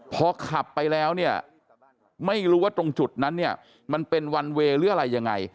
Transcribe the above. พอขับไปแล้วเนี่ยไม่รู้ว่าตรงจุดนั้นเนี่ยมันเป็นวันเวย์หรืออะไรยังไง